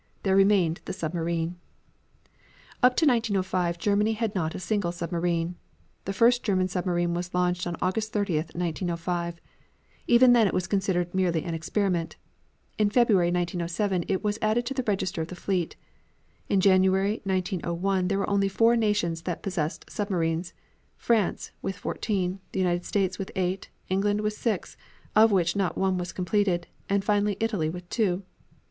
There remained the submarine. Up to 1905 Germany had not a single submarine. The first German submarine was launched on August 30, 1905. Even then it was considered merely an experiment. In February, 1907, it was added to the register of the fleet. On January 1, 1901, there were only four nations that possessed submarines, France, with fourteen; the United States, with eight; England, with six, of which not one was completed, and finally Italy, with two.